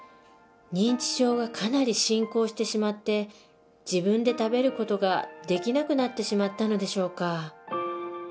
認知症がかなり進行してしまって自分で食べる事ができなくなってしまったのでしょうか